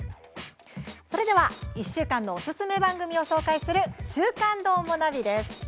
それでは１週間のおすすめ番組を紹介する「週刊どーもナビ」です。